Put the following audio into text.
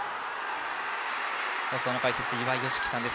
放送の解説、岩井美樹さんです。